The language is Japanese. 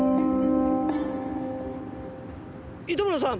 糸村さん？